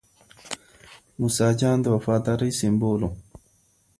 موسی جان د وفادارۍ سمبول و.